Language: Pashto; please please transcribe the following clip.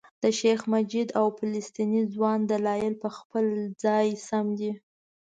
د شیخ مجید او فلسطیني ځوان دلایل په خپل ځای سم دي.